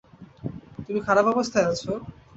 তুমি খারাপ অবস্থায় আছো?